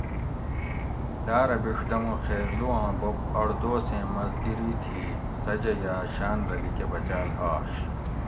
لارہ بِڛدمو خیرلو آں بوب اڑ دوسیں مزدیری تھی سجہ یا شان رہ لیکہ بچاۤل آش